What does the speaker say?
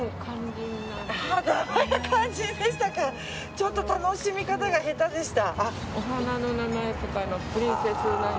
ちょっと楽しみ方が下手でした。